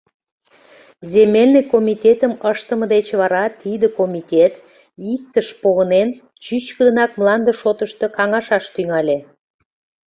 Земельный комитетым ыштыме деч вара тиде комитет, иктыш погынен, чӱчкыдынак мланде шотышто каҥашаш тӱҥале.